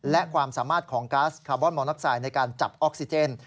และความสามารถของก๊าซคาร์บอนมอน็อกไซด์ในการจับออกซิเจน